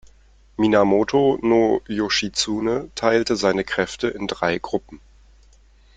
Minamoto no Yoshitsune teilte seine Kräfte in drei Gruppen.